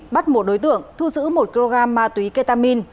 bắt một đối tượng thu giữ một kg ma túy ketamin